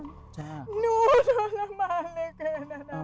หนูทรมานเลยแค่นั้นนะ